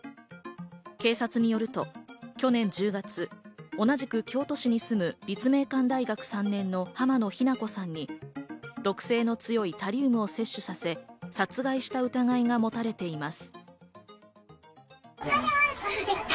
警察によると、去年１０月、同じく京都市に住む立命館大学３年の浜野日菜子さんに毒性の強いタリウムを摂取させ、殺害した疑いが持たれています。